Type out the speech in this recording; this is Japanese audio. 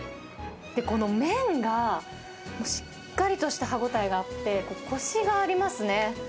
この麺が、しっかりとした歯ごたえがあって、こしがありますね。